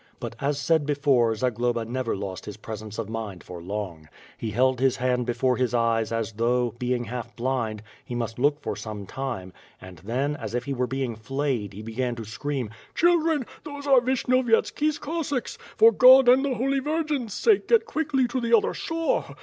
But as said before, Zagloba never lost his presence of mind for long. He held his hand before his eyes as though, being half blind, he must look for some time, and then, a^ if he were being flayed, he began, to scream: "Children, those are Vishnyovyetski's Cossacks. For God and th e Holy Virgin's sake get quickly to the other shore!